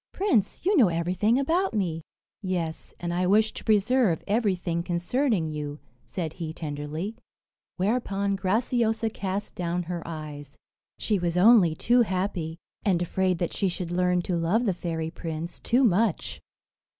"Prince, you know everything about me." "Yes; and I wish to preserve everything concerning you," said he tenderly; whereupon Graciosa cast down her eyes. She was only too happy, and afraid that she should learn to love the fairy prince too much.